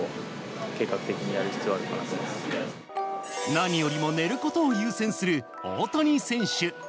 何よりも寝ることを優先する大谷選手。